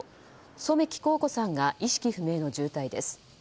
染木幸子さんが意識不明の重体です。